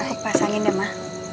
aku pasangin deh ma